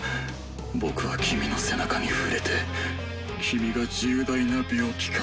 僕は君の背中に触れて君が重大な病気か。